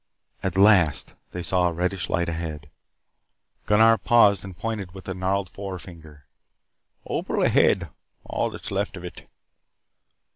At last they saw a reddish light ahead. Gunnar paused and pointed with a gnarled forefinger. "Opal ahead. All that is left of it."